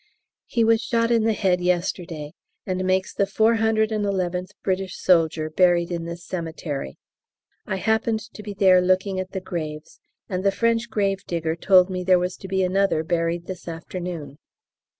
He was shot in the head yesterday, and makes the four hundred and eleventh British soldier buried in this cemetery. I happened to be there looking at the graves, and the French gravedigger told me there was to be another buried this afternoon.